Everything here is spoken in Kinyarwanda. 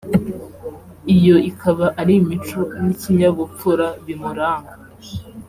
iyo ikaba ari imico n'ikinyabupfura bimuranga